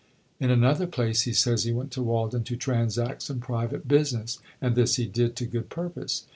In another place he says he went to Walden to "transact some private business," and this he did to good purpose.